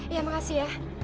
ya makasih ya